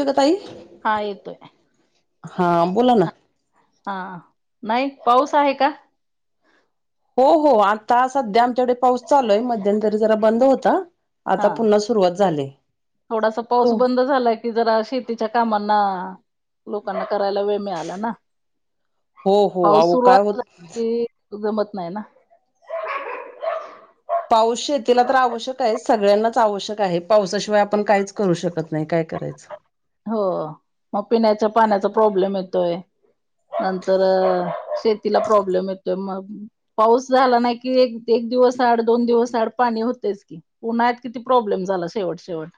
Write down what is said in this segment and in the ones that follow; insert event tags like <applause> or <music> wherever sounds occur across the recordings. संगिताताई. हा येतोय. हा बोला ना. हा, नाही पाऊस आहे का? हो हो आता सध्या आमच्याकडे पाऊस चालूय. मध्यंतरी जरा बंद होता. आता हा पुन्हा सुरुवात झालेय. तू कि जरा शेतीच्या कामांना लोकांना करायला वेळ मिळाला ना. हो हो पाऊस अहो काय सुरुवातला होत की जमत नाही ना. पाऊस शेतीला तर आवश्यक आहे. सगळ्यांनाच आवश्यक आहे. पावसाशिवाय आपण काहीच करू शकत नाही. काय करायचं? हो मग पिण्याच्या पाण्याचा प्रॉब्लेम येतोय. नंतर शेतीला प्रॉब्लेम येतोय मग. पाऊस झाला नाही कि, एक एक दिवस आड दोन दिवस आड पाणी होतेच की. उन्हाळ्यात किती प्रॉब्लेम झाला. शेवट शेवट.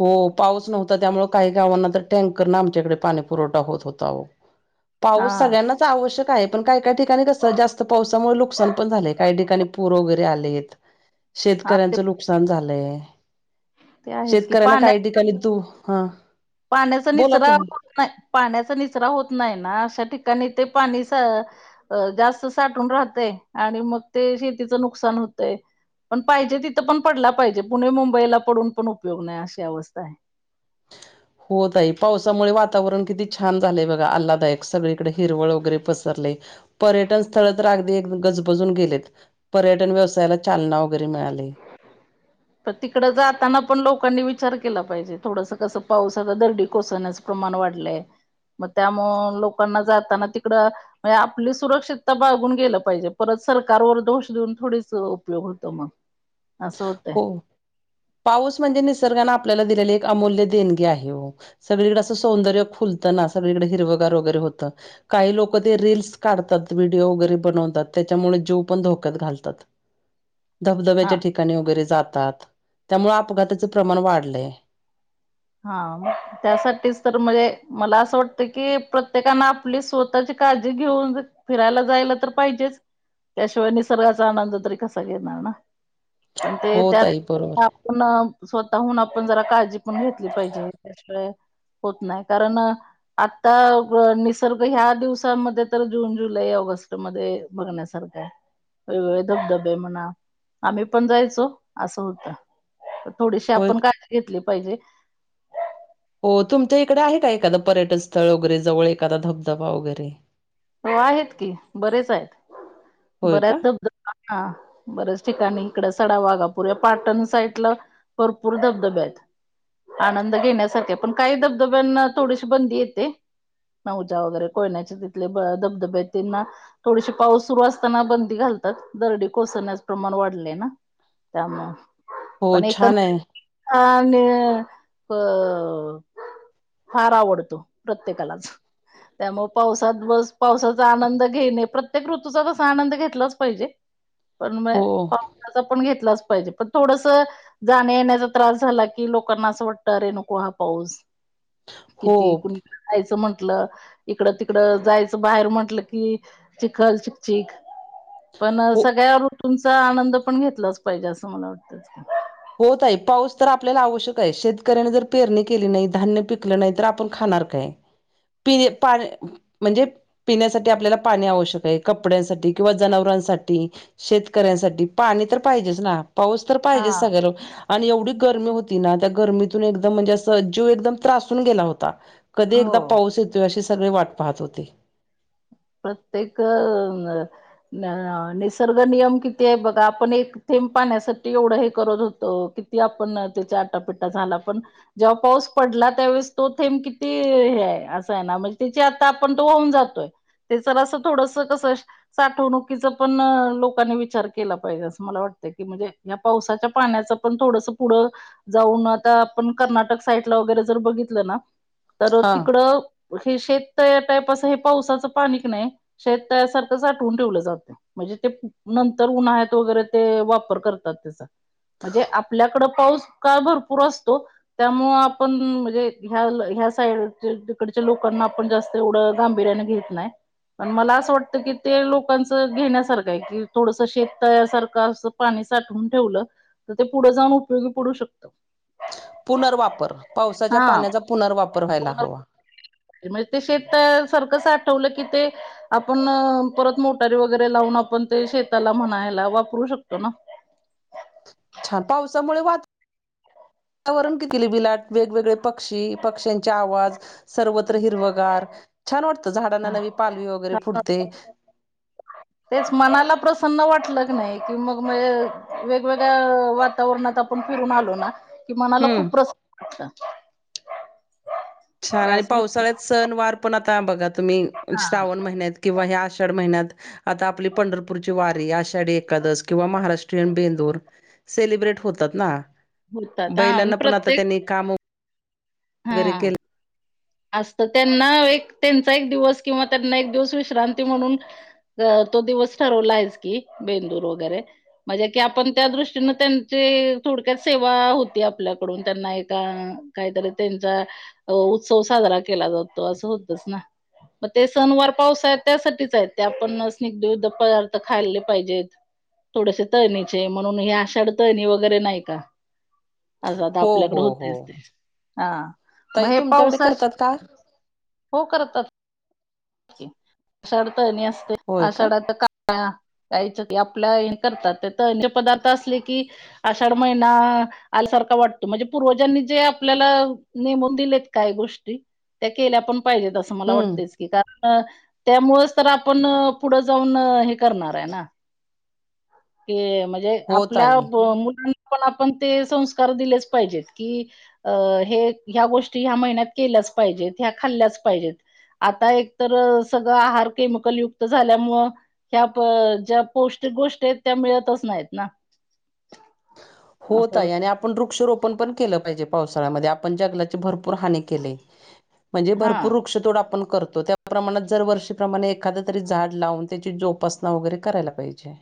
हो पाऊस नव्हता त्यामुळे काही गावांना तर, टँकरना आमच्याकडे पाणी पुरवठा होत होता आओ. <inaudible> पाऊस सगळ्यांनाच आवश्यक आहे. पण काही काही ठिकाणी कसं, जास्त पावसामुळे नुकसान पण झालेय. काही ठिकाणी पूर वगैरे आलेत. <inaudible> ते शेतकऱ्यांचं नुकसान झालंय. ते आहेच की शेतकऱ्यांना पाण्या काही ठिकाणी तू. हा. पाण्याचा बोला निचरा तुम्ही. नाय, पाण्याचा निसरा होत नाय ना. अशा ठिकाणी ते पाणी स अ जास्त साठून राहतय. आणि मग ते शेतीचं नुकसान होतंय. पण पाहिजे तिथं पण पडला पाहिजे. पुणे मुंबईला पडून पण उपयोग नाय. अशी अवस्थाय. हो ताई. पावसामुळे वातावरण किती छान झालेय बघा. आल्लादायक सगळीकडे हिरवळ वगैरे पसरलंय. पर्यटन स्थळ तर अगदी एक गजबजून गेलेत. पर्यटन व्यवसायाला चालना वगैरे मिळाली. <inaudible> पण तिकड जाताना पण लोकांनी विचार केला पाहिजे. थोडस कसं पाऊस आता दर्डी कोसळण्याच प्रमाण वाढलंय. मग त्यामुळ लोकांना जाताना तिकडं म्हणेजे आपली सुरक्षितता बाळगून गेलं पाहिजे. परत सरकारवर दोष देऊन थोडीच उपयोग होत म. असं होतंय. हो. पाऊस म्हणजे, निसर्गाने आपल्याला दिलेली एक अमूल्य देणगी आहे हो. सगळीकडें असं सौंदर्य खुलतं ना. सगळीकडे हिरवगार वगैरे होतं. काही लोक ते रीलस काढतात. व्हिडिओ वगैरे बनवतात. त्याच्यामुळे जीव पण धोक्यात घालतात. <inaudible> हा. धबधब्याच्या ठिकाणी वगैरे जातात. त्यामुळे अपघाताचं प्रमाण वाढलंय. हा म. त्यासाठीच तर म्हणजे, मला असं वाटतं की प्रत्येकाने आपली स्वतःची काळजी घेऊन फिरायला जायला तर पाहिजेच. त्याशिवाय निसर्गाचा आनंद तरी कसा घेणार ना. पण ते हो त्यात ताई बरोबर आपण स्वतःहून आपण जरा काळजी पण घेत ली पाहिजे. त्याशिवाय होत नाय. कारण आता निसर्ग ह्या दिवसामध्ये तर. जून, जुलै, ऑगस्टमध्ये बगन्यासारकाय. वेगवेगळे धबधबे म्हणा, आम्ही पण जायचो. असं होतं. थोडीशी होय. आपण काय घेतली पाहिजे. हो तुमच्या इकडे आहे का एखां पर्यटन स्थळ वगैरे जवळ एखादा धबधबा वगैरे हो आहेत की बरेच आहेत होय का? बऱ्याच. हा बर्याच ठिकाणी इकड सडा वाघापूर या पाटण साईडला. भरपूर धबधबे आहेत. आनंद घेण्यासख पण काही धबधब्यांना थोडीशी बंदी येते. न उजा वगैरे कोयनाच्या तिथले धबधबेतीलंना थोडीशी पाऊस सुरू असताना बंदी घालतात दर्डी कोसळण्यास प्रमाण वाढले ना. त्यामुळेग हो पण छान एकंद. आहे. आणि बर. फार आवडतो प्रत्येकालाच त्यामुळे पाऊस. वातवस पावसाचा आनंद घेणे प्रत्येक ऋतूचा कसा आनंद घेतलाच पाहिजे पण म हो पाडचा पण घेतलाच पाहिजे पण थोडस. जाण्या येण्याचा त्रास झाला की लोकांना असं वाटत अरे नको हा पाऊस. हो किती कुणी जायचं म्हंटलं इकड त. इकड जायच बाहेर म्हंटलं की चिखल चिक चिक पण हो सगळ्यावर तुमचा आनंद पण घेतलाच पाहिजे असं मला वाटत. होत आहे पाऊस तर आपल्याला आवश्यक आहे शेतकऱ्याने जर पेरणी केली नाही धान्य पिकलं नाही तर आपण खाणा र खाणार काय. म्हणजे. पिण्यासाठी आपल्याला पाणी आवश्यक आहे कपड्यांसाठी किंवा जनावरांसाठी. शेतकऱ्यांसाठी पाणी तर पाहिजेच ना पाऊस तर हा पाहिजेच ना सगळ्या लोकांसाठी पाऊस तर पाहिजे. आणि एवढी गर्मी होती ना त्या गर्मीतून एकदम म्हणजे असजीव एकदम त्रासून गेला होता. कधी एकदा हो पाऊस येतोय अशी सगळे वाट पाहत होते प्रत्येक. निसर्ग नियम किती आहे बघा आपण एक थेंब पाण्यासाठी एवढं हे करत होत क. ती आपण त्याच्या आटापिट्टा झाला पण. जेव्हा पाऊस पडला त्यावेळेस तो थेंब किती हे आहे असं आहे ना म्हणजे त्याची आता आपण तो होऊन जातोय. तेच असं थोडस कसं साठवणुकीचा पण लोकांनी विचार केला पाहिजे असं मला वाटत की म्हणजे. या पावसाच्या पाण्याचं पण थोडस पुढं. जाऊन आता आपण कर्नाटक साईडला वगैरे जर बघितलं ना तर हा तिकड हे शेत या टाईप असं हे पावसाचं. पानिक नाही शेत तयासारखं साठवून ठेवलं जाते. म्हणजे ते नंतर उन्हाळ्यात वगैरे ते वापर करतात त्याचा. म्हणजे आपल्याकडं पाऊस का भरपूर असतो. त्यामुळ आपण म्हणजे ह्या ह्या साईड तिकडच्या लोकांना आपण जास्त. एवढं गांभीर्याने घेत नाही. पण मला असं वाटतं की ते लोकांचं घेण्यासारखं आहे कि थोडस शेत तयारसारखं असं. पाणी साठवून ठेवलं तर ते पुढं जाऊन उपयोगी पडू शकत. पुनर्वापर पावसाच्या हा पाण्याचा पुनर्वापर व्हायला हवा? म्हणजे ते शेत सारखं साठवलं की ते. आपण परत मोटारी वगैरे लावून आपण ते शेताला म्हणायला वापरू शकतो ना छान पावसामुळे वा वातावरण किती बिलाट वेगवेगळे पक्षी पक्ष्यांचे. च्या आवाज सर्वत्र हिरवगार छान वाटत झाडांना नवी पालवी वगैरे फुडते. <inaudible> तेच मनाला प्रसन्न वाटलं क नाही कि मग वेगवेगळ्या वातावरणात आपण फिरून आलो ना कि मनाला खुप हम्म प्रस छान हाय आणि पावसाळ्यात सण, वार पण आता बघा तुम्ही हा श्रावण महिन्यात किंवा ह्या आषाढ महिन्यात आता आपली पंढरपूरची वारी आषाढी एकादस किंवा महाराष्ट्रीयन बेंदूर सेलिब्रेट होतात ना होतात हा बैलांना पण आता प्रत्येक त्यांनी काम हा वेरे केले असतं त्यांना एक त्यांचा एक दिवस किंवा त्यांना एक दिवस विश्रांती म्हणून तो दिवस ठरवलायचं की बेंदूर वगैरे म्हणजे की आपण त्या दृष्टीनं त्यांची थोडक्यात सेवा होती आपल्याकडून त्यांना एका काहीतरी त्यांचा उत्सव साजरा केला जातो असं होतच ना मग ते सणवार पावसाळ्यात त्यासाठीच आहेत ते आपण स्नीग्धयुक्त पदार्थ खाल्ले पाहिजेत. थोडेसे तळणीचे म्हणून हे आषाढ तळणी वगैरे नाही का? असं आता हो आपल्याकडे हो हो होतच ते. हा म ताई हे तुमच्याकडे पावसा करतात का हो करतात आषाढ तळणी असतय आषाढ आता का काहींच्यात आपल्या हे करतात ते तळ ते पदार्थ असले की आषाढ महिना आल्यासारखा वाटतो म्हणजे पूर्वजांनी जे आपल्याला नेमून दिलेत काही गोष्टी त्या केल्या पण पाहिजेताच. अस मला हम्म. वाटतयचं की कारण त्यामुळेच तर आपण पुढं जाऊन हे करणार हाय ना की म्हणजे हो आपला ताई. मुल पण आपण ते संस्कार दिलेच पाहिजेत की अं हे ह्या गोष्टी ह्या महिन्यात केल्याच पाहिजेत ह्या खाल्ल्याच पाहिजेत. आता एकतर सगळं आहार केमिकल युक्त झाल्यामुळं ह्या प ज्या पौष्टिक गोष्टी आहेत त्या मिळतच नाहीत ना हो असं ताई होत आणि आप आपण वृक्षरोपण पण केलं पाहिजे पावसाळ्यामध्ये आपण जंगलाची भरपूर हानी केलीय. म्हणजे हा भरपूर वृक्षतोड आपण करतो त्या प्रमाणात जर वर्षीप्रमाणे एखाद तरी झाड लावून त्याची जोपासना वगैरे करायला पाहिजे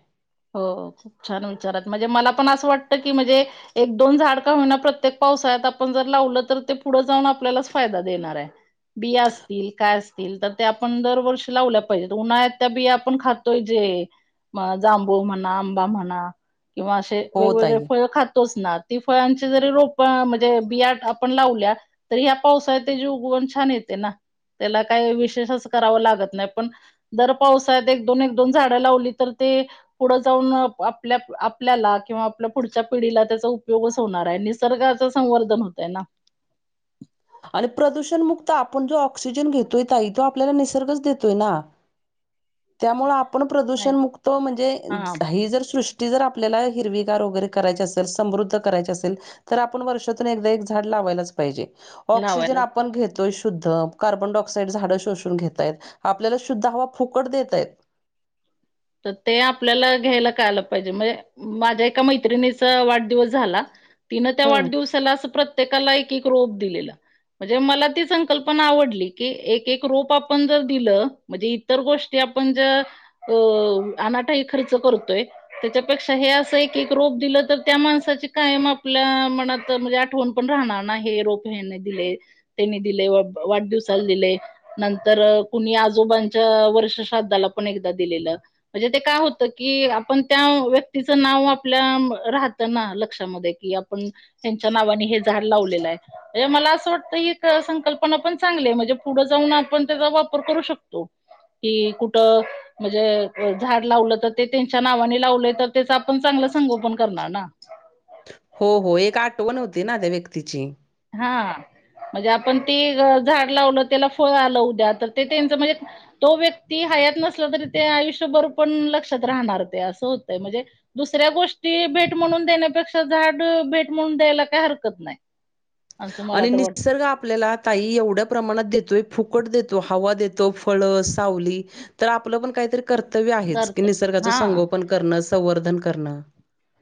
हो हो खूप छान विचार आहेत म्हणजे मला पण असं वाटतं की म्हणजे एक दोन झाड का होईना प्रत्येक पावसाळ्यात आपण जर लावलं तर ते पुढं जाऊन आपल्यालाच फायदा देणार आहे. बिया असतील काय असतील तर ते आपण दरवर्षी लावल्या पाहिजेत उन्हाळ्यात त्या बिया आपण खातोय जे म जांबूळ म्हणा, आंबा म्हणा किंवा असे हो वेगवेगळे ताई. फळ खातोच ना ती फळांचे जरी रोपं म्हणजे बिया आपण लावल्या तर ह्या पावसाळ्यात तेजी उगवण छान येते ना त्याला काही विशेष असं करावं लागत नाही पण दर पावसाळ्यात एक दोन एक दोन झाडं लावली तर ती पुढं जाऊन आपल्या आपल्याला किंवा आपल्या पुढच्या पिढीला त्याचा उपयोगच होणार हाय निस र्गाच संवर्धन होतय ना आणि प्रदूषण मुक्त आपण जो ऑक्सिजन घेतोय ताई तो आपल्याला निसर्गच देतोय ना, <inaudible> त्यामुळे आपण नाही प्रदूषण मुक्त म्हणजे हा ही जर सृष्ट ती जर आपल्याला हिरवीगार वगैरे करायची असेल समृद्ध करायची असेल तर आपण वर्षातून एकदा एक झाड लावायलाच पाहिजे ऑक्सिजन लावायलाच आपण घेतोय शो शुद्ध कार्बन डायऑक्साइड झाडं शोषून घेतायत आपल्याला शुद्ध हवा फुकट देतायत. तर ते आपल्याला घ्यायला कालं पाहिजे म्हणजे माझ्या एका मैत्रिणीचा वाढदिवस झाला, तिन त्या हम्म वादव अस प्रत्येकाला एक एक रोप दिलेला. म्हणजे मला ती संकल्पना आवडली की एक एक रोप आपण जर दिलं म्हणजे इतर गोष्टी आपण ज्या अ अनाठाई खर्च करतोय त्याच्यापेक्षा हे असं एक एक रोप दिलं तर त्या माणसाचे कायम आपल्या मनात म्हणजे आठवण पण राहणार ना हे रोप दिले त्यांनी दिले वाढदिवसाला दिले. नंतर कुणी आजोबांच्या वर्षश्राद्धाला पण एकदा दिलेलं‌. म्हणजे ते काय होतं की आपण त्या व्यक्तीचं नाव आपल्या राहतं ना लक्षामध्ये कि आपण त्यांच्या नावाने हे झाड लावलेलं आहे. मला असं वाटतं ही संकल्पना पण चांगली आहे म्हणजे पुढं जाऊन आपण त्याचा वापर करू शकतो. कि कुठं म्हणजे झाड लावलं तर ते त्यांच्या नावाने लावले तर त्याच आपण चांगलं संगोपन करणार ना हो हो एक आठवण होती ना त्या व्यक्तीची. हा म्हणजे आपण ते झाड लावलं त्याला फळ आलं उद्या तर ते त्यांचं म्हणजे तो व्यक्ती हयात नसला तरी ते आयुष्यभर पण लक्षात राहणार ते असं होतय म्हणजे दुसऱ्या गोष्टी भेट म्हणून देण्यापेक्षा झाड भेट म्हणून द्यायला काय हरकत नाही. असं मला आणि तर वाटत निसर्ग आपल्याला ताई एवढ्या प्रमाणात देतोय फुकट देतो हवा देतो फळ, सावली तर आपलं पण काहीतरी कर्तव्य आहे की करत निसर्गाचं हा संगोपन करणं संवर्धन करणं.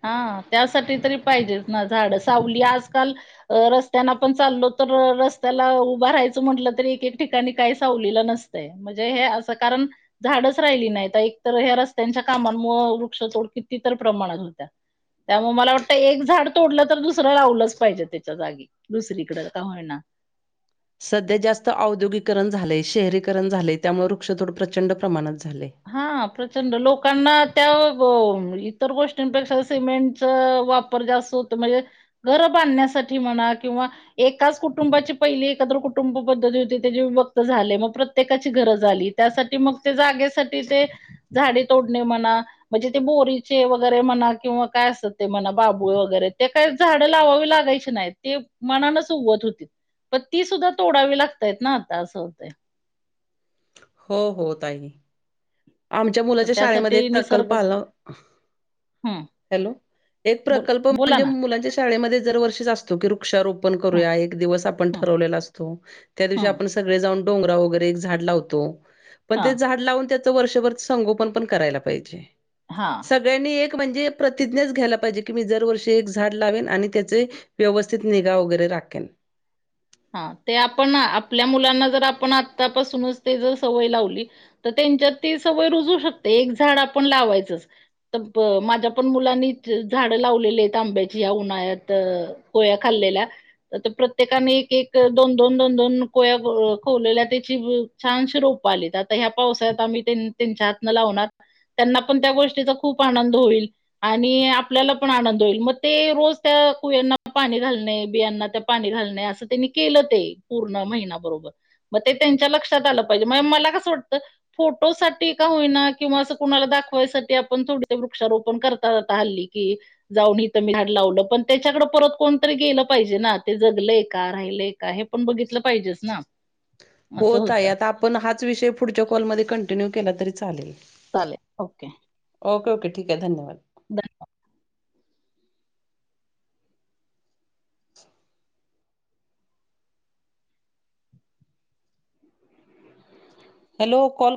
हा त्यासाठी तरी पाहिजेच ना झाड सावली आजकाल अ रस्त्याना पण चालो तर रस्त्याला उभं राहायचं म्हटलं तरी एक एक ठिकाणी काही सावलेलं नसतंय. म्हणजे हे असं कारण झाडच राहिली नाहीत एकतर ह्या रस्त्यांच्या कामांमुळे वृक्षतोड कितीतर प्रमाणात होत त्यामु मला वाटतं एक झाड तोडलं तर दुसरं लावलंच पाहिजे त्याच्या जागी दुसरीकडं का होयना सध्या जास्त औद्योगीकरण झाले शहरीकरण झाले त्यामुळे वृक्षतोड प्रचंड प्रमाणात झाले. हा प्रचंड लोकांना त्या इतर गोष्टींपेक्षा सिमेंटच वाप होत म्हणजे घर बांधण्यासाठी म्हणा किंवा एकाच कुटुंबाची पहिली एकत्र कुटुंब पद्धती होती त्याची विभक्त झाले मग प्रत्येकाची गरज आली. त्यासाठी मग ते जागेसाठी ते झाडे तोडणे म्हणा म्हणजे ते बोरीचे वगैरे म्हणा किंवा काय असत ते म्हणा बाबुळे वगैरे ते काय झाडं लावावी लागायची नाही ते मनानच उगवत होती. पण ती सुद्धा तोडावी लागतयत ना आता असं होतं. हो होत आहे. आमच्या मग मुलाच्या शाळेमध्ये त्यासाठी एक प्रकल्प निसर्ग आला हं, हॅलो, एक बोल प्रकल्प बोला म्हणजे ना. मुलांच्या शाळे मध्ये दरवर्षीच असतो की वृक्ष रोपण हं, करूया एक दिवस आपण हं, ठरवलेला असतो त्यादिवशी हं. आपण सगळे जाऊन डोंगरा वगैरे झाड लावतो, पण हां, ते झाड लावून त्याचं वर्षभर संगोपन पण करायला पाहिजे हां, सगळ्यांनी एक म्हणजे प्रतिज्ञाच घ्यायला पाहिजे की मी दरवर्षी एक झाड लावेन आणि त्याचे व्यवस्थित निगा वगैरे राखेन. हा ते आपण आपल्या मुलांना जर आपण आतापासूनच ते जर सवय लावली तर त्यांच्यात ती सवय रुजू शकते एक झाड आपण लावायचंच. तर माझ्या पण मुलांनी झाडं लावलेली आहेत आंब्याची या उन्हाळ्यात पोळ्या खाल्लेल्या तर प्रत्येकांनी एक दोन दोन दोन कोया खवलेल्या त्याची छानशी रोप आलीत आत ह्या पावसाळ्यात आम्ही त्यांच्या हातनं लावणार त्यांना पण त्या गोष्टीचा खूप आनंद होईल. आणि आपल्याला पण आनंद होईल, मग ते रोज त्या कुयांना पाणी घालणे बियांना त्या पाणी घालणे असं त्यांनी केलं ते, पूर्ण महिना बरोबर. मग ते त्यांच्या लक्षात आलं पाहिजे मग मला कसं वाटतं फोटो साठी का होईना किंवा असं कुणाला दाखवायसाठी आपण थोडी ते वृक्षारोपण करत त ता हल्ली की जाऊन इथं मी झाड लावलं पण त्याच्याकडे परत कोणतरी गेलं पाहिजे ना ते जगलय का राहिलंय काय हे पण बघितलं पाहिजेच ना. हो असं ताई होतं आता आपण हाच विषय पुढच्या कॉलमध्ये कंटिन्यू केला तरी चालेल. चालेल, ओके. ओके ओके ठीक आहे, धन्यवाद! बर. Hello, call